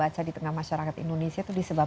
jangan dulu ya